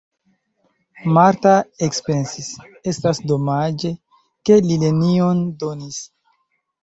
Marta ekpensis: estas domaĝe, ke li nenion donis!